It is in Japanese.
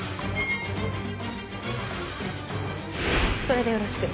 それでよろしく。